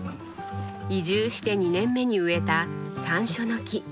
移住して２年目に植えたさんしょうの木。